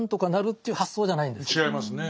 違いますねぇ。